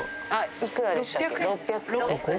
いくらでしたっけ？